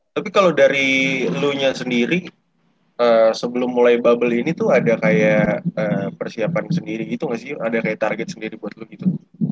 tapi kalau dari low nya sendiri sebelum mulai bubble ini tuh ada kayak persiapan sendiri gitu gak sih ada kayak target sendiri buat lo gitu